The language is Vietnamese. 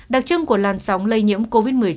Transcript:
đặc trưng của làn sóng lây nhiễm covid một mươi chín